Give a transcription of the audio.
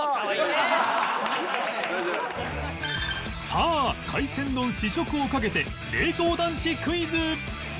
さあ海鮮丼試食をかけて冷凍男子クイズ！